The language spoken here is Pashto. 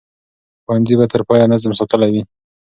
ښوونځي به تر پایه نظم ساتلی وي.